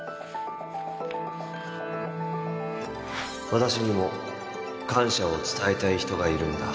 私にも感謝を伝えたい人がいるんだ